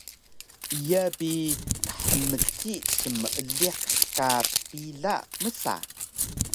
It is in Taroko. “Iya bi khmci smeeliq ka pila” msa